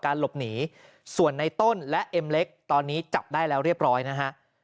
หลบหนีส่วนในต้นและเอ็มเล็กตอนนี้จับได้แล้วเรียบร้อยนะฮะ